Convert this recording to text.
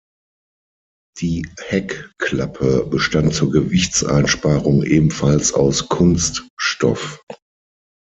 Die Heckklappe bestand zur Gewichtseinsparung ebenfalls aus Kunststoff.